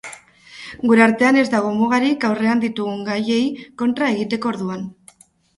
Gure artean ez dago mugarik, aurrean ditugun gaiei kontra egiteko orduan.